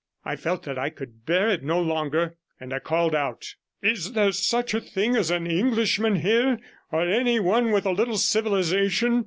I felt that I could bear it no longer, and I called out 'Is there such a thing as an Englishman here, or any one with a little civilization?'